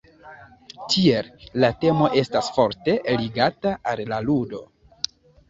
Tiel, la temo estas forte ligata al la ludo.